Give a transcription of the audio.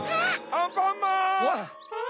アンパンマン！